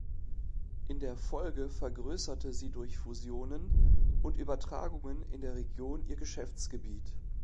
In der Folge vergrößerte sie durch Fusionen und Übertragungen in der Region ihr Geschäftsgebiet.